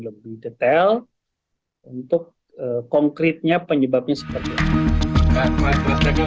lebih detail untuk konkretnya penyebabnya seperti itu